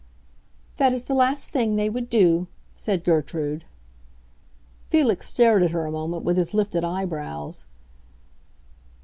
"That is the last thing they would do," said Gertrude. Felix stared at her a moment, with his lifted eyebrows.